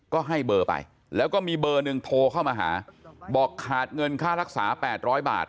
ก็ให้เบอร์ไปแล้วก็มีเบอร์หนึ่งโทรเข้ามาหาบอกขาดเงินค่ารักษา๘๐๐บาท